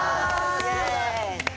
イエーイ！